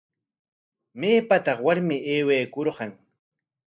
¿Maypataq warmi aywakurqan?